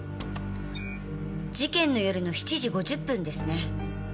事件の夜の７時５０分ですね。